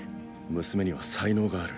娘には、才能がある。